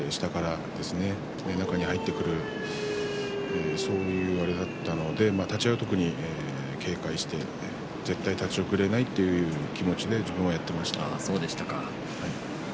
それで、中に入ってそういうあれだったので立ち合いは特に警戒して絶対に立ち遅れないという気持ちで自分は、やっていました。